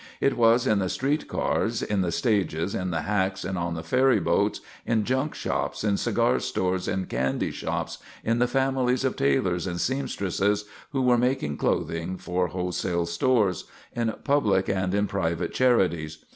It was in the street cars, in the stages, in the hacks, on the ferry boats, in junk shops, in cigar stores, in candy shops, in the families of tailors and seamstresses, who were making clothing for wholesale stores, in public and in private charities.